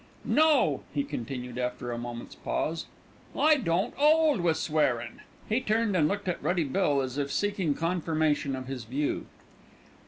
No!" he continued after a moment's pause, "I don't 'old wi' swearin'." He turned and looked at Ruddy Bill as if seeking confirmation of his view.